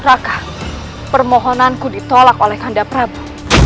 raka permohonanku ditolak oleh kandap prabu